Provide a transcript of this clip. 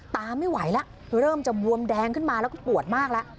ตาไม่ไหวแล้วเริ่มจะบวมแดงขึ้นมาแล้วก็ปวดมากแล้ว